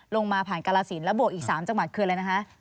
ผ่านกาลสินแล้วบวกอีก๓จังหวัดคืออะไรนะคะ